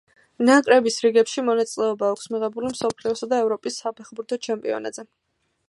ნაკრების რიგებში მონაწილეობა აქვს მიღებული მსოფლიოსა და ევროპის საფეხბურთო ჩემპიონატებზე.